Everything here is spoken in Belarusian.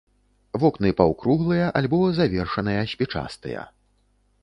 Вокны паўкруглыя альбо завершаныя спічастыя.